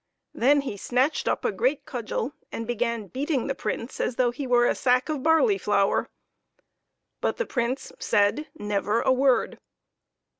Then he snatched up a great cudgel and began beating the Prince as though he were a sack of barley flour; but the Prince said never a word.